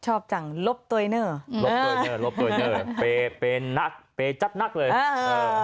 ชอบจังลบเตยเนอร์ลบเตยเนอร์ลบเตยเนอร์ไปนักไปจัดนักเลยเออเออ